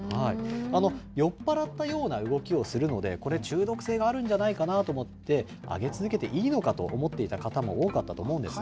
酔っぱらったような動きをするので、これ、中毒性があるんじゃないかなと思って、あげ続けていいのかと思っていた方も多かったと思うんですが。